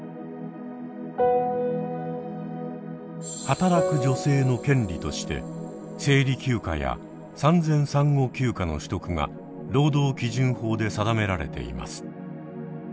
働く女性の権利として生理休暇や産前産後休暇の取得が労働基準法で定められています。